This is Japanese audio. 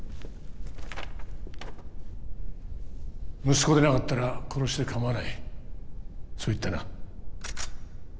息子でなかったら殺してかまわないそう言ったな？